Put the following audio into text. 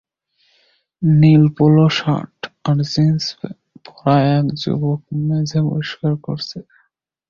নীল polo shirt আর jeans পরা এক যুবক মেঝে পরিষ্কার করছে